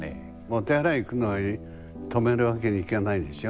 お手洗い行くのは止めるわけにいかないでしょ。